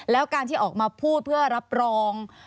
แล้วการที่ออกมาพูดเพื่อรับรอง